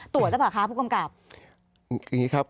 ตรวจแล้วป่าวครับผู้กำกับ